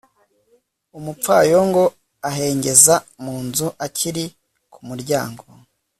umupfayongo ahengeza mu nzu akiri ku muryango